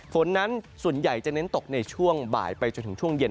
ฝนนั้นส่วนใหญ่จะเน้นตกในช่วงบ่ายไปจนถึงช่วงเย็น